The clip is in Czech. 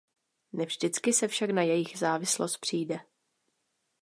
Ne vždycky se však na jejich závislost přijde.